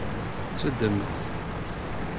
Ttaddameɣ-t.